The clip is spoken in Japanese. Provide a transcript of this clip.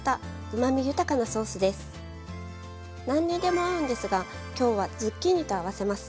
何にでも合うんですが今日はズッキーニと合わせます。